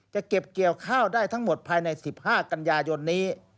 เก็บเกี่ยวข้าวได้ทั้งหมดภายใน๑๕กันยายนนี้